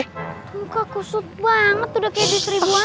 tungka kusut banget udah kayak di seribuan